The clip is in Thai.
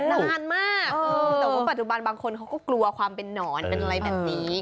นานมากแต่ว่าปัจจุบันบางคนเขาก็กลัวความเป็นนอนเป็นอะไรแบบนี้